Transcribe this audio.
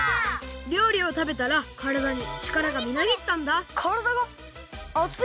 りょうりをたべたらからだにちからがみなぎったんだからだがあつい。